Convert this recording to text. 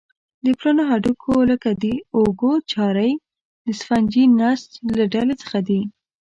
د پلنو هډوکو لکه د اوږو چارۍ د سفنجي نسج له ډلې څخه دي.